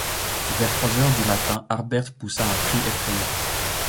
Vers trois heures du matin, Harbert poussa un cri effrayant